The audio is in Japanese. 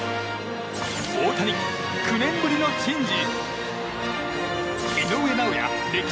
大谷、９年ぶりの珍事。